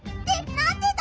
なんでだ！